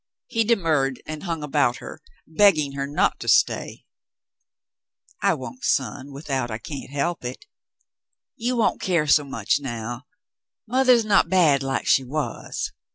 He demurred and hung about her, begging her not to stay. "I won't, son, without I can't help it. You won't care so much now — mother's not bad like she was."